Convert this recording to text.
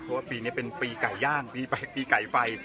เพราะว่าปีนี้เป็นปีไก่ย่างปีไก่ไฟ